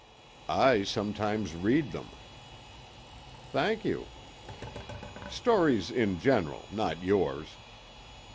"I sometimes read them." "Thank you." "Stories in general—not yours."